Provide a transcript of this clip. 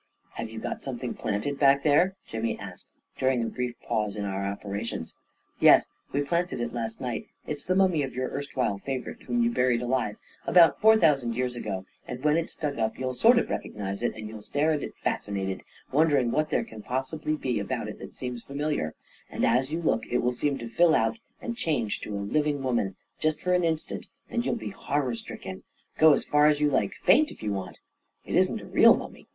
" Have you got something planted back there ?" Jimmy asked, during a brief pause in our opera tions. " Yes — we planted it last night. It's the mummy of your erstwhile favorite, whom you buried alive, about four thousand years ago; and when it's dug up, you'll sort of recognize it; and you'll stare at it fascinated, wondering what there can possibly be 178 A KING IN BABYLON about it that seems familiar; and as you look, it will seem to fill out and change to a living woman, just for an instant ; and you'll be horror stricken — go as far as you like — faint if you want to." " It isn't a real mummy?